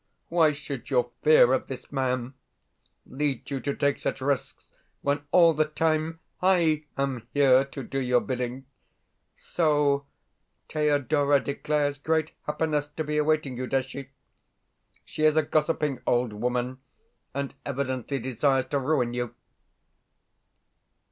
Why should your fear of this man lead you to take such risks when all the time I am here to do your bidding? So Thedora declares great happiness to be awaiting you, does she? She is a gossiping old woman, and evidently desires to ruin you.